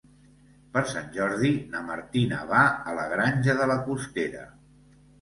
Per Sant Jordi na Martina va a la Granja de la Costera.